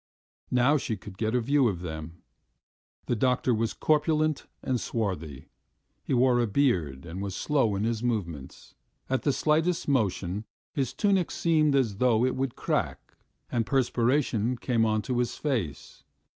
Now she could get a view of them. The doctor was corpulent and swarthy; he wore a beard and was slow in his movements. At the slightest motion his tunic seemed as though it would crack, and perspiration came on to his face.